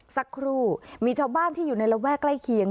สักครู่มีชาวบ้านที่อยู่ในระแวกใกล้เคียง